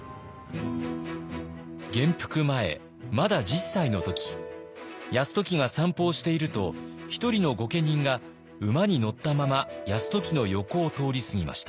元服前まだ１０歳の時泰時が散歩をしていると一人の御家人が馬に乗ったまま泰時の横を通り過ぎました。